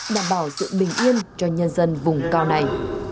đảm bảo sự bình yên cho nhân dân vùng cao này